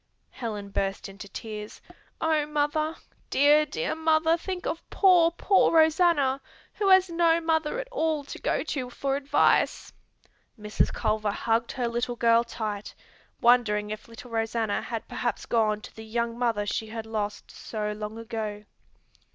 Helen burst into tears. "Oh, mother, dear, dear mother, think of poor, poor Rosanna who has no mother at all to go to for advice!" Mrs. Culver hugged her little girl tight, wondering if little Rosanna had perhaps gone to the young mother she had lost so long ago.